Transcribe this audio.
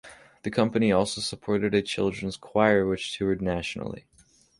The company also supported a children's choir which toured nationally.